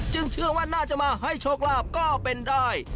เชื่อว่าน่าจะมาให้โชคลาภก็เป็นได้